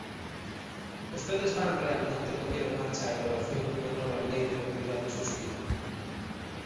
¿Vostedes van, realmente, poñer en marcha a elaboración dunha nova lei de mobilidade sostible?